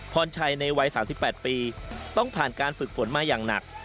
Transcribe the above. พรชัยในวัย๓๘ปีต้องผ่านการฝึกฝนมาอย่างหนัก